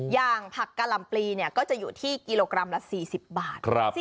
อย่างผักกะหล่ำปลีก็จะอยู่ที่กิโลกรัมละ๔๐บาท